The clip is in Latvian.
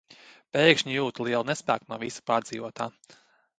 Pēkšņi jūtu lielu nespēku no visa pārdzīvotā.